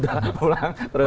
langsung laporkan ke mkd